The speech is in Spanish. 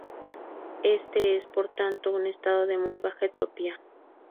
Este es por tanto un estado de muy baja entropía.